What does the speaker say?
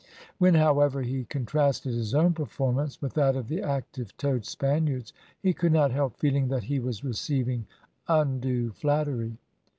When, however, he contrasted his own performance with that of the active toed Spaniards, he could not help feeling that he was receiving undue flattery.